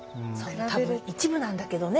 一部なんだけどね